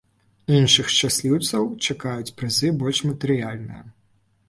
Іншых шчасліўцаў чакаюць прызы больш матэрыяльныя.